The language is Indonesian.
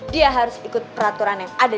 dia harus ikut peraturan yang asli ya mas